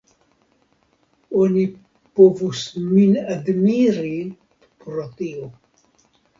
Oni povus min admiri pro tio.